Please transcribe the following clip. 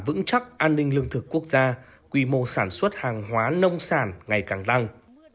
hướng đi giúp ngành nông nghiệp có thể hoàn thành mục tiêu phát triển nhanh